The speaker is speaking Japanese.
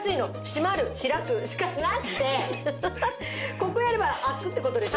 ここをやれば開くって事でしょ？